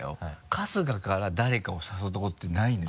春日から誰かを誘ったことってないんだよ。